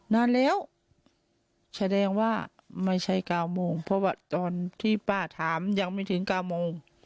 นานแล้วแสดงว่าไม่ใช่๙โมงเพราะว่าตอนที่ป้าถามยังไม่ถึง๙โมง